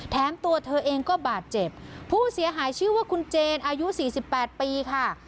ตัวเธอเองก็บาดเจ็บผู้เสียหายชื่อว่าคุณเจนอายุสี่สิบแปดปีค่ะ